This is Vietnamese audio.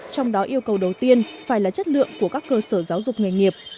trong đó yêu cầu đầu tiên phải là chất lượng của các cơ sở giáo dục nghề nghiệp